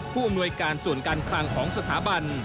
ผู้อำนวยการส่วนการคลังของสถาบัน